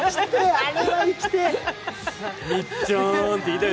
あれは行きてぇ。